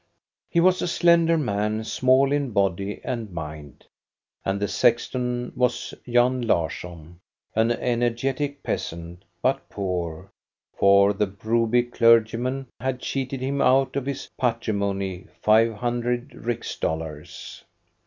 He was a slender man, small in body and mind. And the sexton was Jan Larsson, an energetic peasant, but poor, for the Broby clergyman had cheated him out of his patrimony, five hundred rix dollars.